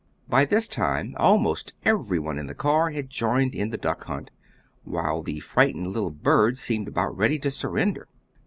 By this time almost everyone in the car had joined in the duck hunt, while the frightened little bird seemed about ready to surrender.